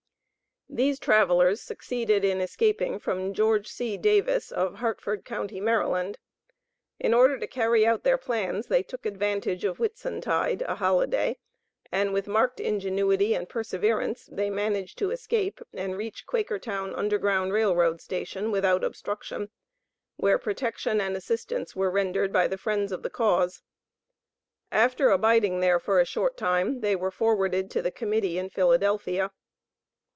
These travelers succeeded in escaping from Geo. C. Davis, of Harford county, Md. In order to carry out their plans, they took advantage of Whitsuntide, a holiday, and with marked ingenuity and perseverance, they managed to escape and reach Quakertown Underground Rail Road Station without obstruction, where protection and assistance were rendered by the friends of the cause. After abiding there for a short time, they were forwarded to the Committee in Philadelphia.